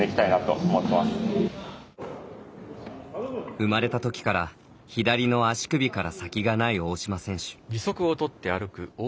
生まれたときから左の足首から先がない大島選手。